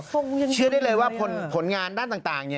ยังเชื่อได้เลยว่าผลงานด้านต่าง